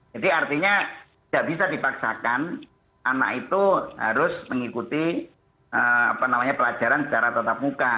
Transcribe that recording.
jadi artinya tidak bisa dipaksakan anak itu harus mengikuti pelajaran secara tata muka